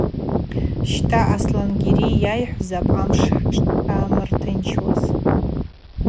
Щта Асльангьари йайхӏвзапӏ амшв хӏшамыртынчуаз.